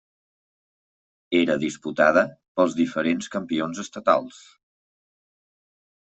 Era disputada pels diferents campions estatals.